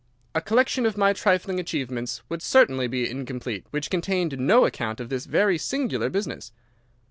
A collection of my trifling achievements would certainly be incomplete which contained no account of this very singular business.